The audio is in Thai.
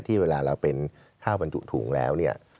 เวลาเราเป็นข้าวบรรจุถุงแล้วเนี่ย